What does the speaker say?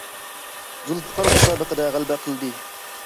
زۇلپىقار مۇسابىقىدە غەلىبە قىلدى.